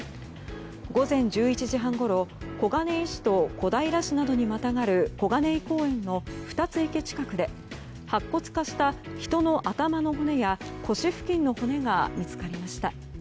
午前１時半ごろ小金井市と小平市などにまたがる小金井公園の、ふたつ池近くで白骨化した人の頭の骨や腰付近の骨が見つかりました。